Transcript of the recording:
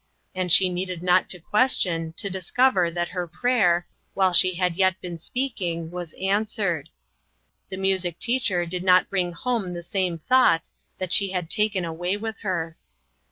And she needed not to question, to discover that her prayer, while she had yet been speaking, was answered. The mu. ic teacher did not bring home the same thoughts that she had taken away with her.